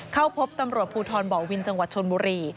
เข้าพบตำรวจภูทรบ่อวินจังหวัดชนบุรี